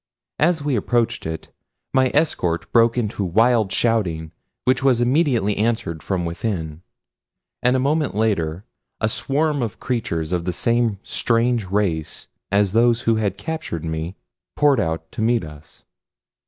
As we approached it my escort broke into wild shouting which was immediately answered from within, and a moment later a swarm of creatures of the same strange race as those who had captured me poured out to meet us.